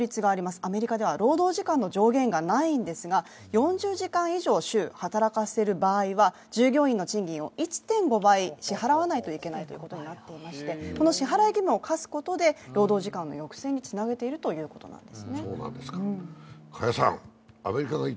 アメリカでは労働時間の上限がないんですが、週４０時間以上、働かせる場合は従業員の賃金を１．５倍支払わなければいけないということになっていまして、この支払い義務を課すことで労働時間の抑制につなげているそうです。